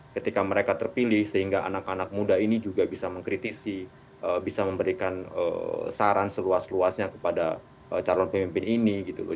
ketika mereka terpilih sehingga anak anak muda ini juga bisa mengkritisi bisa memberikan saran seluas luasnya kepada calon pemimpin ini gitu loh